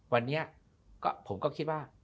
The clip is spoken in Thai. วันนี้ผมก็คิดว่า